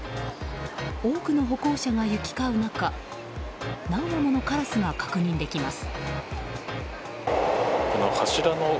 多くの歩行者が行き交う中何羽ものカラスが確認できます。